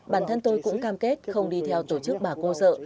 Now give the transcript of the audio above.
bản thân tôi cũng cam kết không đi theo tổ chức bà cô dợ